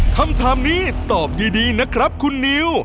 คำถามนี้ตอบดีนะครับคุณนิว